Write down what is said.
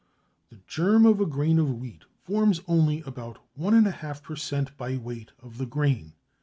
The germ of a grain of wheat forms only about 1½ per cent. by weight of the grain.